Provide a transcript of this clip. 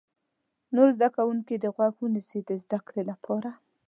نور زده کوونکي دې غوږ ونیسي د زده کړې لپاره.